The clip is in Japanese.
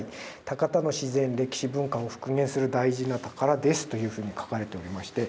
高田の自然・歴史・文化を復元する大事な宝です」というふうに書かれておりまして。